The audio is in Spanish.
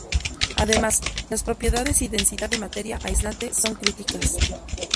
Además, las propiedades y densidad del material aislante son críticas.